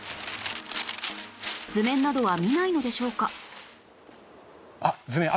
図面などは見ないのでしょうか？